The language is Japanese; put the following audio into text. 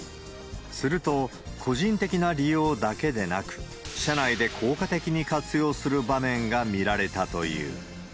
すると、個人的な利用だけでなく、社内で効果的に活用する場面が見られたという。